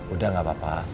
udah gak apa apa